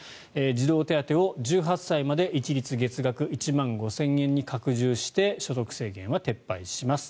児童手当を１８歳まで一律月額１万５０００円に拡充して所得制限は撤廃します。